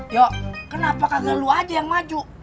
yo kenapa kagak lo aja yang maju